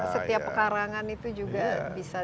setiap pekarangan itu juga bisa